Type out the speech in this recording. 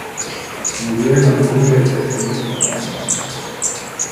Murió en octubre de ese mismo año.